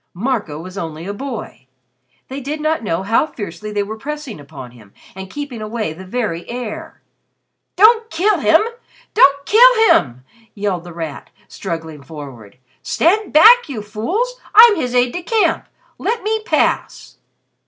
Marco was only a boy. They did not know how fiercely they were pressing upon him and keeping away the very air. "Don't kill him! Don't kill him!" yelled The Rat, struggling forward. "Stand back, you fools! I'm his aide de camp! Let me pass!"